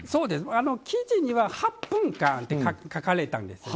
記事には８分間って書かれているんですね。